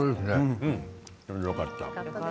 よかった。